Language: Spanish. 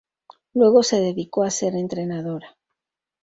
Luego se dedicó a ser entrenadora.